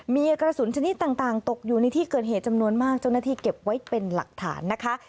มีกระสุนชนิดต่างตกอยู่ในที่เกิดเหตุจำนวนมากเจ้าหน้าที่เก็บไว้เป็นหลักฐานนะคะ